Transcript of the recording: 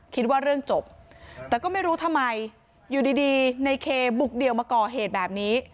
คิดว่าเรื่องจบแต่ก็ไม่รู้ทำไมอยู่ดีในเคบุกเดี่ยวมาก่อเหตุแบบนี้